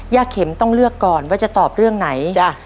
เข็มต้องเลือกก่อนว่าจะตอบเรื่องไหน